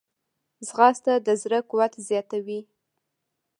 ځغاسته د زړه قوت زیاتوي